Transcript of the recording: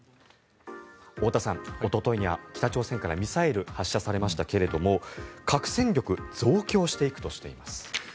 太田さん、おとといには北朝鮮からミサイルが発射されましたけれども核戦力増強していくとしています。